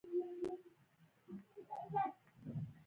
د کلیو سرکونه هم همدومره عرض لري